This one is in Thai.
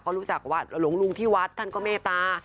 ก็รู้จักว่ารุงที่วัสต์ท่านก็เมตตา